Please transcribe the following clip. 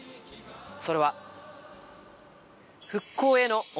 それは。